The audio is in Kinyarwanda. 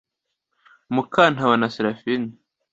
Mukantabana Seraphine